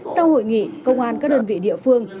sau hội nghị công an các đơn vị địa phương